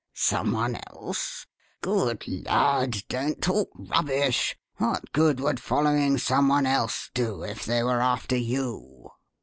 "Some one else? Good lud, don't talk rubbish. What good would following some one else do if they were after you?"